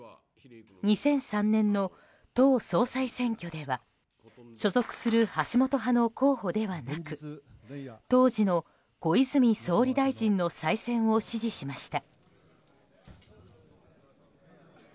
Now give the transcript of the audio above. ２００３年の党総裁選挙では所属する橋本派の候補ではなく当時の小泉総理大臣の再選を支持しました。